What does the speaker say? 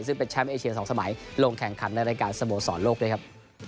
ซึ่งเป็นแชมป์เอเชีย๒สมัยลงแข่งขันในรายการสโมสรโลกด้วยครับ